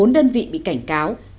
bốn đơn vị bị cảnh cáo